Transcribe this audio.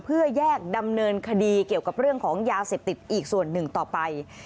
เพื่อแยกดำเนินคดีเกี่ยวกับเรื่องของยาเสพติดอีกส่วนหนึ่งต่อไป